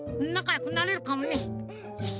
よし。